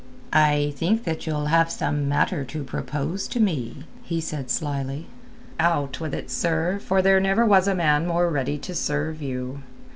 "I think that ye'll have some matter to propose to me." said he slyly. "Out with it, sir, for there never was a man more ready to serve you."